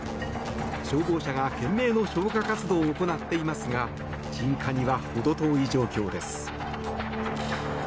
消防車が懸命の消火活動を行っていますが鎮火にはほど遠い状況です。